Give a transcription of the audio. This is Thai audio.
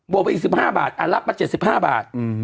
บวกไป๒๕บาทอันลับมา๗๕บาท